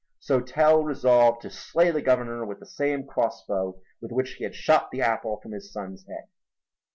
So Tell resolved to slay the governor with the same crossbow with which he had shot the apple from his son's head.